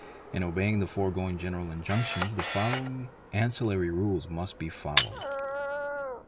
In obeying the foregoing general injunetions the following ancillary rules must be followed.